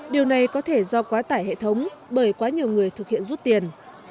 điều này có thể do quá tải hệ thống bởi quá nhiều người thực hiện rút tiền